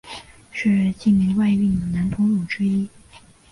是晋煤外运的南通路之一。